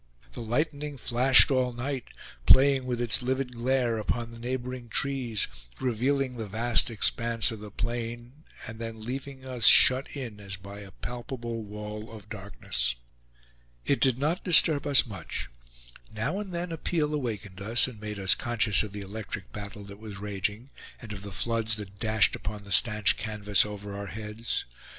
The lightning flashed all night, playing with its livid glare upon the neighboring trees, revealing the vast expanse of the plain, and then leaving us shut in as by a palpable wall of darkness. It did not disturb us much. Now and then a peal awakened us, and made us conscious of the electric battle that was raging, and of the floods that dashed upon the stanch canvas over our heads.